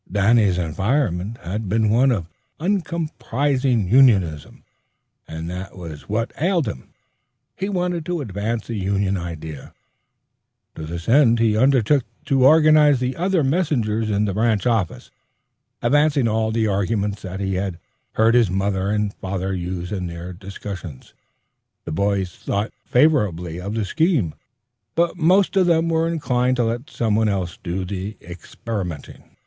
Danny's environment had been one of uncompromising unionism, and that was what ailed him. He wanted to advance the union idea. To this end, he undertook to organize the other messengers in the branch office, advancing all the arguments that he had heard his mother and his father use in their discussions. The boys thought favorably of the scheme, but most of them were inclined to let some one else do the experimenting.